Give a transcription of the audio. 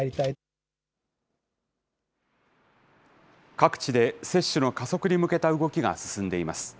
各地で接種の加速に向けた動きが進んでいます。